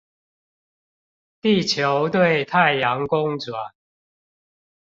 地球對太陽公轉